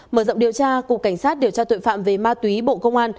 mở rộng điều tra cục cảnh sát điều tra tội phạm về ma túy bộ công an